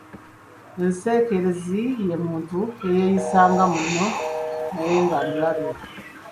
Enseekeezi ye muntu eyeeyisa nga munno naye nga mulabe.